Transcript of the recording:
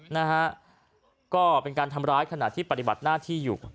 นะฮะก็เป็นการทำร้ายขณะที่ปฏิบัติหน้าที่อยู่